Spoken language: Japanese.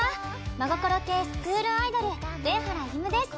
まごころ系スクールアイドル上原歩夢です。